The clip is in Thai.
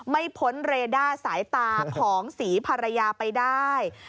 พ้นเรด้าสายตาของศรีภรรยาไปได้